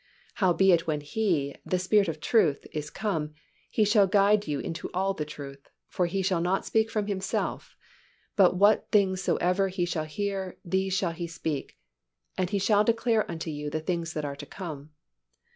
"Howbeit when He, the Spirit of truth, is come, He shall guide you into all the truth: for He shall not speak from Himself; but what things soever He shall hear, these shall He speak: and He shall declare unto you the things that are to come."